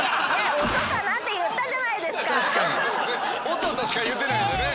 「音」としか言うてないよね。